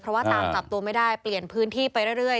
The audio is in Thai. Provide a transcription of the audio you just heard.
เพราะว่าตามจับตัวไม่ได้เปลี่ยนพื้นที่ไปเรื่อย